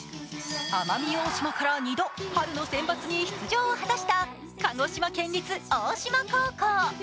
奄美大島から２度、春のセンバツに出場を果たした鹿児島県立大島高校。